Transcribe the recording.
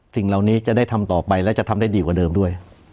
สิ่งเหล่านี้จะได้ทำต่อไปและจะทำได้ดีกว่าเดิมด้วย